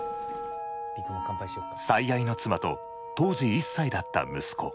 最愛の妻と当時１歳だった息子。